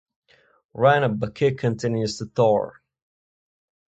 Rhino Bucket continues to tour.